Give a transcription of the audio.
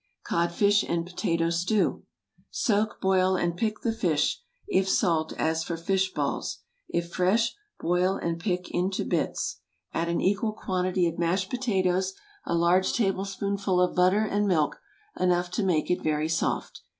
CODFISH AND POTATO STEW. ✠ Soak, boil, and pick the fish, if salt, as for fish balls. If fresh, boil and pick into bits. Add an equal quantity of mashed potatoes, a large tablespoonful of butter and milk, enough to make it very soft.